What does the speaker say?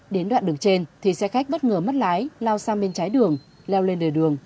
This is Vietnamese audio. đến đoạn đường trên thì xe khách bất ngờ mất lái lao sang bên trái đường leo lên lề đường